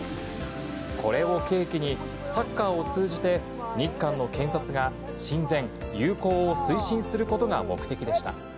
これを契機に、サッカーを通じて日韓の検察が、親善、友好を推進することが目的でした。